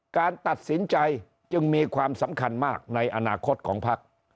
การตัดสินใจจึงมีความสำคัญมากในอนาคตของพัก